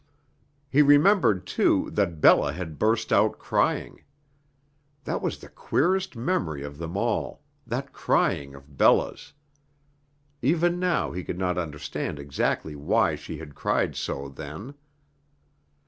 He remembered, too, that Bella had burst out crying. That was the queerest memory of them all that crying of Bella's. Even now he could not understand exactly why she had cried so then.